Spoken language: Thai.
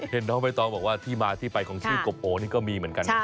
น้องใบตองบอกว่าที่มาที่ไปของชื่อกบโอนี่ก็มีเหมือนกันนะ